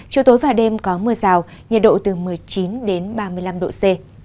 chiều tối và đêm có mưa rào nhiệt độ từ một mươi chín đến ba mươi năm độ c